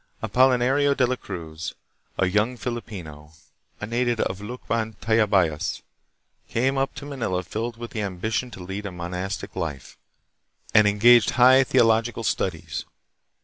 Apoli nario de la Cruz, a young Filipino, a native of Lukban, Tayabas, came up to Manila filled with the ambition to lead a monastic life, and engaged hi theological studies.